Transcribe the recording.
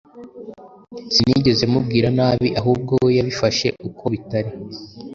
Sinigeze mubwira nabi ahubwo we yabifashe uko bitari